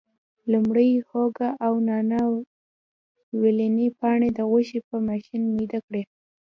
لومړی هوګه او نانا ویلني پاڼې د غوښې په ماشین میده کړي.